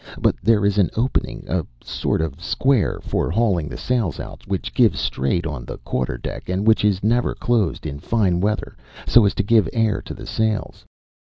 But there is an opening, a sort of square for hauling the sails out, which gives straight on the quarter deck and which is never closed in fine weather, so as to give air to the sails.